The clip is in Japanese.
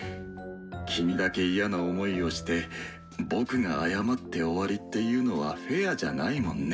君だけ嫌な思いをして僕が謝って終わりっていうのはフェアじゃないもんね。